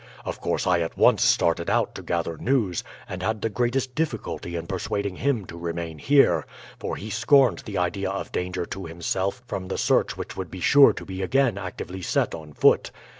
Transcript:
Of course I at once started out to gather news, and had the greatest difficulty in persuading him to remain here, for he scorned the idea of danger to himself from the search which would be sure to be again actively set on foot.